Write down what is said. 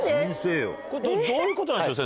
これどういうことなんでしょう？